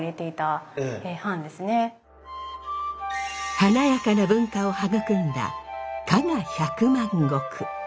華やかな文化を育んだ加賀百万石。